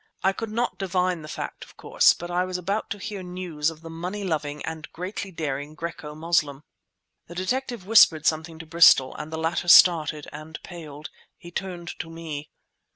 I could not divine the fact, of course, but I was about to hear news of the money loving and greatly daring Graeco Moslem. The detective whispered something to Bristol, and the latter started, and paled. He turned to me.